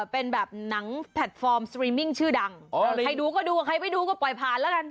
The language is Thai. เป็นแบบหนังแพลตฟอร์มสตรีมมิ่งชื่อดังใครดูก็ดูใครไปดูก็ปล่อยผ่านแล้วกัน